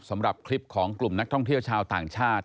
สำหรับคลิปของกลุ่มนักท่องเที่ยวชาวต่างชาติ